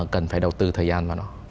cần phải đầu tư thời gian vào nó